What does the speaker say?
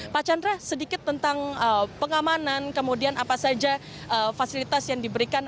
pak chandra sedikit tentang pengamanan kemudian apa saja fasilitas yang diberikan